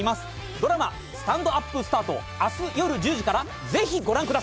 ドラマ『スタンドＵＰスタート』明日夜１０時からぜひご覧ください！